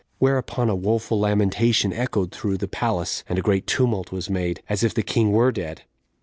Whereupon a woeful lamentation echoed through the palace, and a great tumult was made, as if the king were dead.